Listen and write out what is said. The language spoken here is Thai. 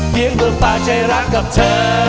เพียงตัวปลาใจรักกับเธอ